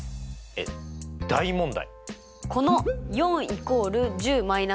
えっ大問題？